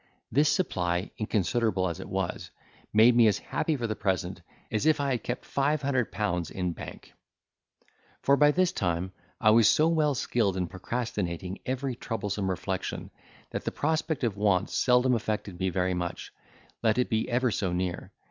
This supply, inconsiderable as it was, made me as happy for the present, as if I had kept five hundred pounds in bank; for by this time I was so well skilled in procrastinating every troublesome reflection, that the prospect of want seldom affected me very much, let it be ever so near.